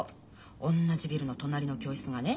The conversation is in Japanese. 同じビルの隣の教室がね